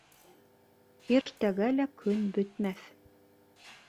Иртәгә лә көн бөтмәҫ.